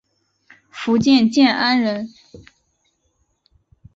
福建建安人。